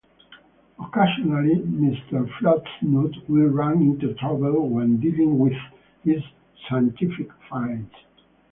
Occasionally, Mr. Flutesnoot will run into trouble when dealing with his scientific finds.